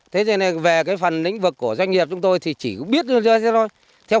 thế nên về phần lĩnh vực của doanh nghiệp chúng tôi thì chỉ biết như thế thôi